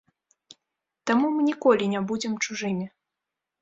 Таму мы ніколі не будзем чужымі.